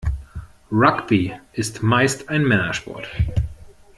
Rugby ist meist ein Männersport.